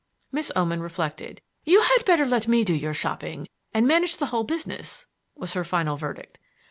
Miss Oman reflected. "You had better let me do your shopping and manage the whole business," was her final verdict.